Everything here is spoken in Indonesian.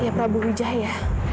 ayah prabu hujah ya